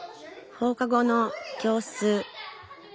放課後の教室。